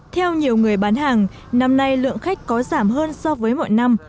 theo nhiều người bán hàng năm nay lượng khách có giảm hơn so với mọi năm